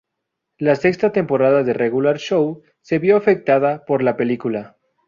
La sexta temporada de Regular Show se vio afectada por la película.